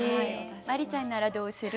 真里ちゃんならどうする？